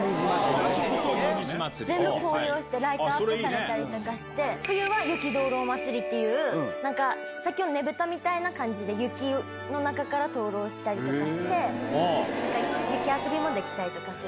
全部紅葉して、ライトアップされたりして、冬は雪燈籠まつりっていう、なんかさっきのねぶたみたいな感じで、雪の中から灯籠したりとかして、雪遊びもできたりとかする。